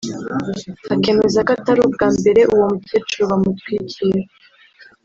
akemeza ko atari ubwa mbere uwo mukecuru bamutwikira